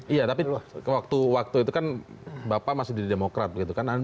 iya tapi waktu itu kan bapak masih di demokrat begitu kan